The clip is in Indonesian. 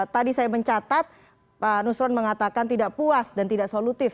tadi saya mencatat pak nusron mengatakan tidak puas dan tidak solutif